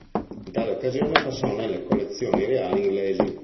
In tale occasione passò nelle collezioni reali inglesi.